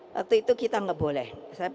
waktu itu kita nggak boleh